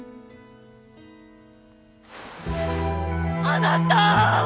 あなた！